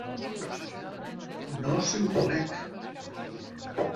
No si ho conec!